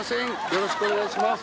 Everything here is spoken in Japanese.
よろしくお願いします。